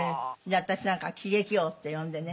私なんか喜劇王って呼んでね